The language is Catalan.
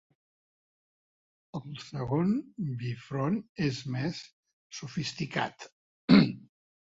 El segon bifront és més sofisticat.